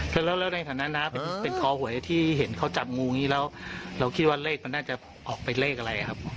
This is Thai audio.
แล้วในฐานะน้าเป็นคอหวยที่เห็นเขาจับงูอย่างนี้แล้วเราคิดว่าเลขมันน่าจะออกเป็นเลขอะไรครับ